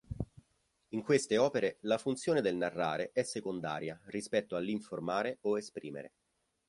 In queste opere la funzione del narrare è secondaria rispetto all"'informare" o "esprimere".